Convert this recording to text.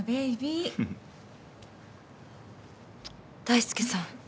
大介さん